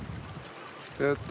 えっと